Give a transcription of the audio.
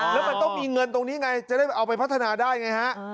แล้วมันต้องมีเงินตรงนี้ไงจะได้เอาไปพัฒนาได้ไงฮะ